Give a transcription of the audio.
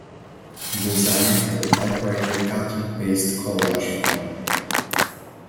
The zine had a typewriter cut and paste collage format.